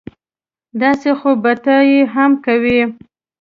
داسې خو به ته یې هم کوې